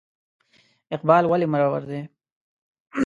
اقبال ولې مرور دی ؟